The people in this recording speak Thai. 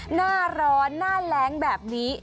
หน้าร้อนหน้าแรงแบบนี้